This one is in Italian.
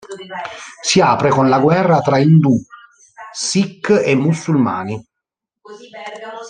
Si apre con la guerra tra indù sikh e musulmani.